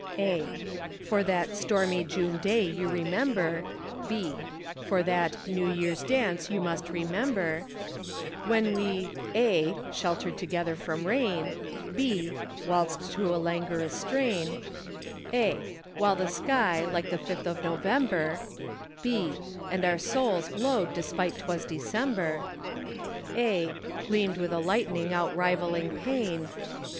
For that { stormy June day you } remember, { New Year's dance you must } When we { sheltered together from rain, { waltzed to a languorous strain, While the sky, like the Fifth of November, } And our souls glowed despite 'twas December } Gleamed with lightening outrivalling P { ain.